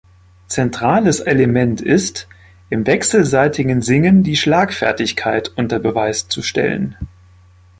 Zentrales Element ist, im wechselseitigen Singen die Schlagfertigkeit unter Beweis zu stellen.